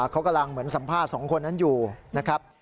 เขากำลังเหมือนสัมภาษณ์สองคนนั้นอยู่นะครับ